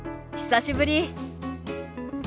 久しぶり。